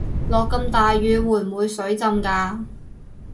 落咁大雨會唔會水浸架